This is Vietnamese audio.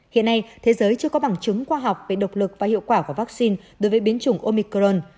hiện nay thế giới chưa có bằng chứng khoa học về độc lực và hiệu quả của vaccine đối với biến chủng omicron